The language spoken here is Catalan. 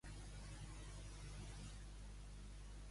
De diferents sons canten.